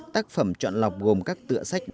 tác phẩm chọn lọc gồm các tựa sách